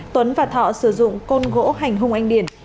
tuấn và thọ sử dụng côn gỗ hành hung anh điển